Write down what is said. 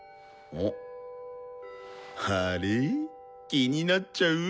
気になっちゃう？